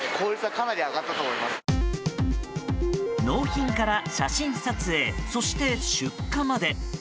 納品から写真撮影そして出荷まで。